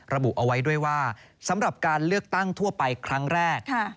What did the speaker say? ระบุเอาไว้ด้วยว่าสำหรับการเลือกตั้งทั่วไปครั้งแรก